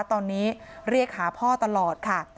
ตอนนี้เรียกหาพ่อตลอดค่ะ